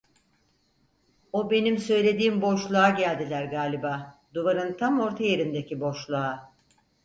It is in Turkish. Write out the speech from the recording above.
O benim söylediğim boşluğa geldiler galiba, duvarın tam orta yerindeki boşluğa…